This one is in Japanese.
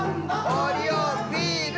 オリオンビール！